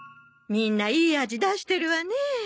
みんないい味出してるわね。